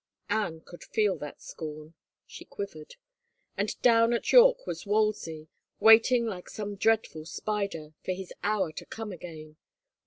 Anne could feel that scorn. She quivered. And down at York was Wolsey, waiting like some dreadful spider, for his hour to come again.